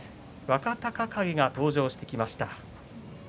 若隆景が登場してきました。